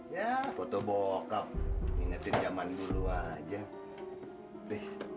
ya foto bokap ini jaman dulu aja deh